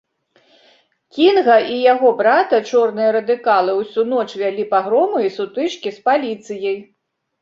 Кінга і яго брата чорныя радыкалы ўсю ноч вялі пагромы і сутычкі з паліцыяй.